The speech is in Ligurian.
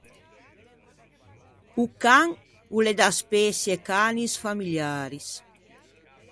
O can o l’é da speçie Canis familiaris.